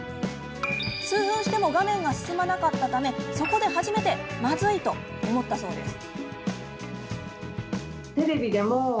数分しても画面が進まなかったためそこで初めてまずい！と思ったそうです。